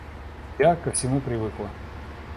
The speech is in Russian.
Я ко всему привыкла.